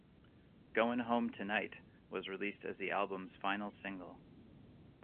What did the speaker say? "Goin' Home Tonight" was released as the album's final single.